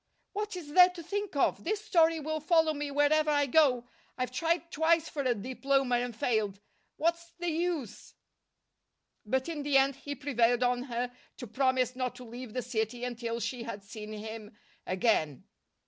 "What is there to think of? This story will follow me wherever I go! I've tried twice for a diploma and failed. What's the use?" But in the end he prevailed on her to promise not to leave the city until she had seen him again.